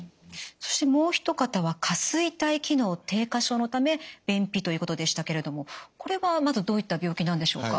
そしてもう一方は下垂体機能低下症のため便秘ということでしたけれどもこれはまずどういった病気なんでしょうか？